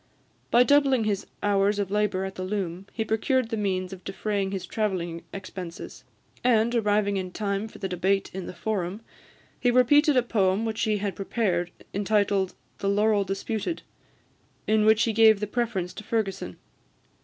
By doubling his hours of labour at the loom, he procured the means of defraying his travelling expenses; and, arriving in time for the debate in the Forum, he repeated a poem which he had prepared, entitled the "Laurel Disputed," in which he gave the preference to Fergusson.